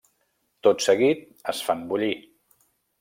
Tot seguit es fan bullir.